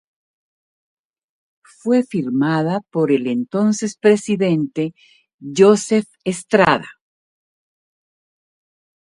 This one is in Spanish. Fue firmada por el entonces presidente Joseph Estrada.